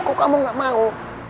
kok kamu gak mau